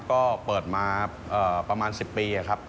ก็เปิดมาประมาณ๑๐ปีครับ